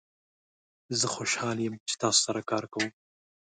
زه خوشحال یم چې تاسو سره کار کوم.